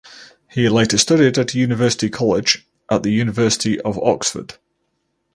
He later studied at University College at the University of Oxford.